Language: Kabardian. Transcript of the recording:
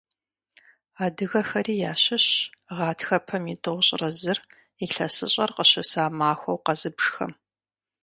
Адыгэхэри ящыщщ гъатхэпэм и тӏощӏрэ зыр илъэсыщӀэр къыщыса махуэу къэзыбжхэм.